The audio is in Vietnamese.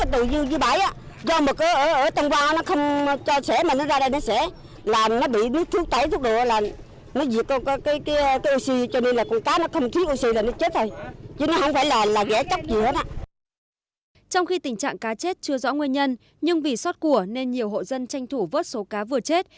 trong khi tình trạng cá chết chưa rõ nguyên nhân nhưng vì xót của nên nhiều hộ dân tranh thủ vớt số cá vừa chết